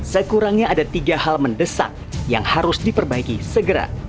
sekurangnya ada tiga hal mendesak yang harus diperbaiki segera